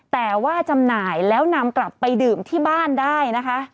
แต่ว่าจำหน่ายแล้วนำกลับไปดื่มที่บ้านได้นะคะ